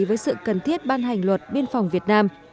với sự cần thiết ban hành luật biên phòng việt nam